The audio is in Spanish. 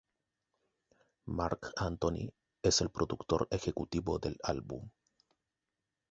Marc Anthony es el productor ejecutivo del álbum.